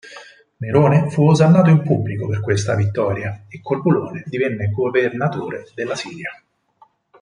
Nerone fu osannato in pubblico per questa vittoria e Corbulone divenne governatore della Siria.